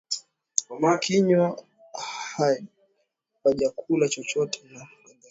kinywa hawajakula chochote na kadhalika